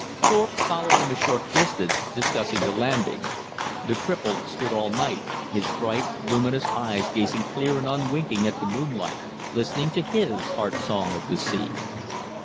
Thorpe followed him a short distance, discussing the landing. The cripple stood all night, his bright, luminous eyes gazing clear and unwinking at the moonlight, listening to his Heart Song of the Sea.